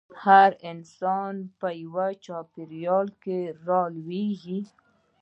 هر انسان په يوه چاپېريال کې رالويېږي.